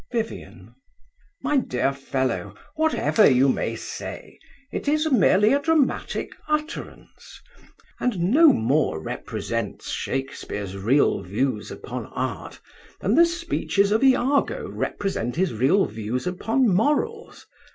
VIVIAN. My dear fellow, whatever you may say, it is merely a dramatic utterance, and no more represents Shakespeare's real views upon art than the speeches of Iago represent his real views upon morals.